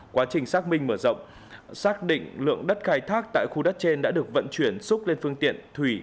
quá trình xác minh mở rộng xác định lượng đất khai thác tại khu đất trên đã được vận chuyển xúc lên phương tiện thủy